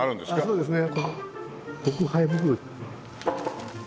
そうですね。